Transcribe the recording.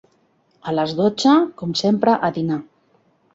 A les dotze, com sempre, a dinar;